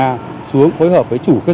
chúng tôi cũng phối hợp với chủ cơ sở